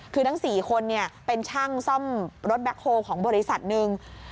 คือทั้ง๔คนเป็นช่างซ่อมรถแบ็คโฮลของบริษัทหนึ่ง